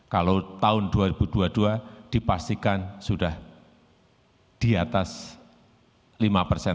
kalau tahun dua ribu dua puluh dua dipastikan sudah di atas lima persen